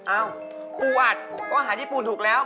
อ้าวปูอัดก็อาหารญี่ปุ่นถูกแล้ว